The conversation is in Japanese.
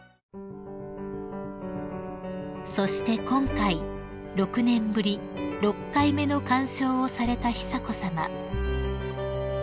［そして今回６年ぶり６回目の鑑賞をされた久子さま］